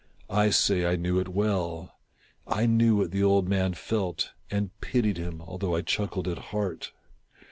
I say I knew it well. I knew what the old man felt, and pitied him, although I chuckled at heart.